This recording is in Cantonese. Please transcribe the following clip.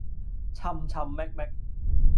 尋尋覓覓，